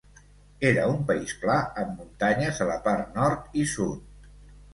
Era un país pla amb muntanyes a la part nord i sud.